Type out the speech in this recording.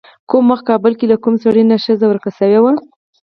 کوم وخت کابل کې له کوم سړي نه ښځه ورکه شوې وه.